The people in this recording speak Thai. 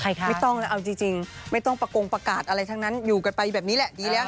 พี่กานไม่ต้องนะเอาจริงไม่ต้องประกงประกาศอะไรทั้งนั้นอยู่กันไปอยู่แบบนี้แหละ